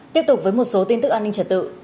tiếp tục với một số tin tức an ninh trật tự